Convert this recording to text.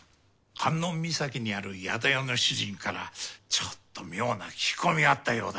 観音岬にある宿屋の主人からちょっと妙な聞き込みがあったようだ。